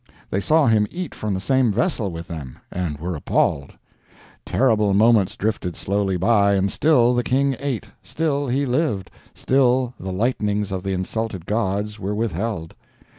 They saw him eat from the same vessel with them, and were appalled! Terrible moments drifted slowly by, and still the King ate, still he lived, still the lightnings of the insulted gods were withheld!